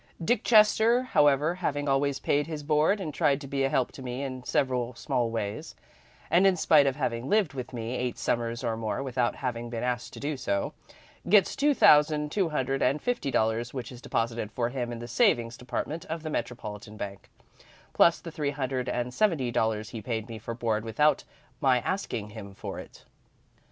"Dick Chester, however, having always paid his board, and tried to be a help to me in several small ways, and in spite of having lived with me eight Summers or more without having been asked to do so, gets two thousand two hundred and fifty dollars which is deposited for him in the savings department of the Metropolitan Bank, plus the three hundred and seventy dollars he paid me for board without my asking him for it.